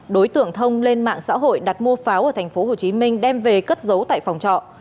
đối tượng thông lên mạng xã hội đặt mua pháo ở tp hcm đem về cất giấu tại phòng trọ